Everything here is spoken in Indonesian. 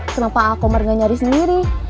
kenapa komar gak nyari sendiri